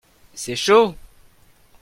C'est chaud